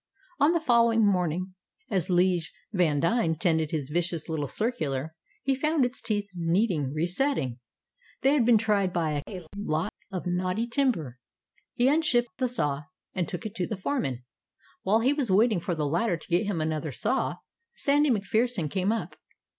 On the following morning, as 'Lije Vandine tended his vicious little circular, he found its teeth needed resetting. They had been tried by a lot of knotty timber. He unshipped the saw and took it to the foreman. While he was waiting for the latter to get him another saw, Sandy MacPherson came up.